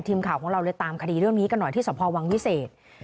ทีมข่าวของเราเลยตามคดีเรื่องนี้กันหน่อยที่สพวังวิเศษ